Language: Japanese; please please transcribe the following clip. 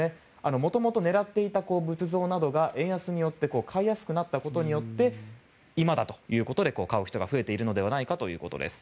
元々、狙っていた仏像などが円安によって買いやすくなったことによって今だということで買う人が増えているのではないかということです。